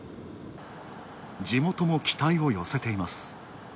地元も期待を寄せています。